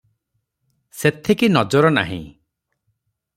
ସେଥିକି ନଜର ନାହିଁ ।